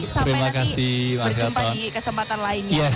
sampai lagi berjumpa di kesempatan lainnya